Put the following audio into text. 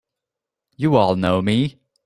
You all know me!